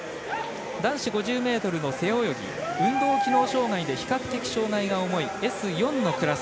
男子５０ｍの背泳ぎ運動機能障がいで比較的、障がいの重いＳ４のクラス。